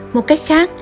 một cách khác